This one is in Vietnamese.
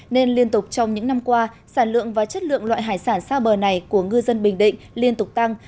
nên liên tục trong những năm qua sản lượng và chất lượng loại hải sản xa bờ này của ngư dân bình định liên tục tăng